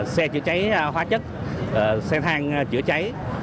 xe chữa cháy hóa chất xe thang chữa cháy